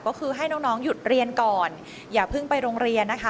ก็คือให้น้องหยุดเรียนก่อนอย่าเพิ่งไปโรงเรียนนะคะ